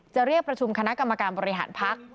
เรียกประชุมคณะกรรมการบริหารพัก